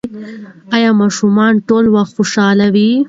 ایا ماشومان ټول وخت خوشحاله وي؟